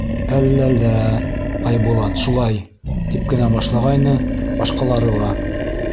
— Әлләлә, Айбулат, шулай! — тип кенә башлағайны, башҡалары ла: